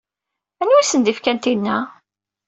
Anwa i asen-d-ifkan tinna?